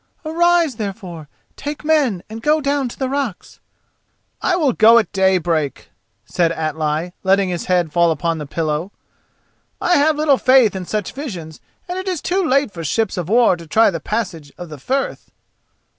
Arise, therefore, take men and go down to the rocks." "I will go at daybreak," said Atli, letting his head fall upon the pillow. "I have little faith in such visions, and it is too late for ships of war to try the passage of the Firth."